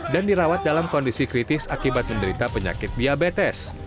dan dirawat dalam kondisi kritis akibat menderita penyakit diabetes